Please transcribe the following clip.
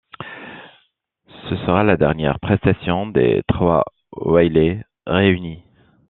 Ce sera la dernière prestation des trois Wailers réunis.